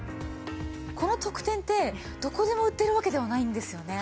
この特典ってどこでも売ってるわけではないんですよね？